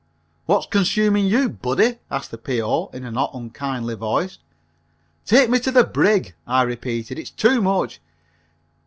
"What's consuming you, buddy?" asked the P.O. in not an unkindly voice. "Take me to the brig," I repeated, "it's too much.